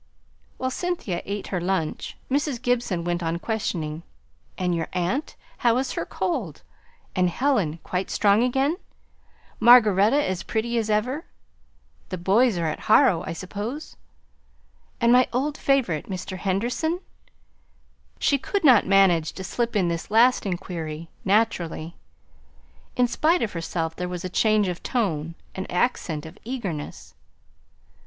While Cynthia ate her lunch, Mrs. Gibson went on questioning. "And your aunt, how is her cold? And Helen, quite strong again? Margaretta as pretty as ever? The boys are at Harrow, I suppose? And my old favourite, Mr. Henderson?" She could not manage to slip in this last inquiry naturally; in spite of herself there was a change of tone, an accent of eagerness.